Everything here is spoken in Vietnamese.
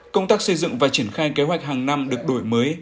công tác xây dựng và triển khai kế hoạch hàng năm được đổi mới